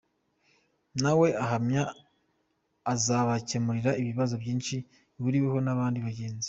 Nawe ahamya izabakemurira ibibazo byinshi ahuriyeho n’abandi bahanzi.